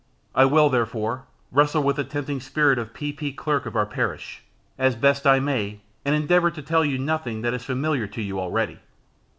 I will, therefore, wrestle with the tempting spirit of P. P., Clerk of our Parish, as I best may, and endeavour to tell you nothing that is familiar to you already.